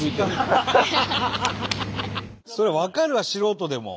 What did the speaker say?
それは分かるわ素人でも。